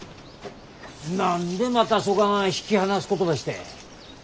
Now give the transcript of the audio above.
何でまたそがん引き離すことばして。